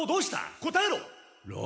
答えろ！